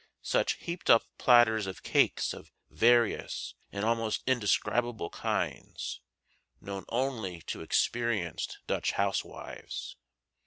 Such heaped up platters of cakes of various and almost indescribable kinds, known only to experienced Dutch housewives!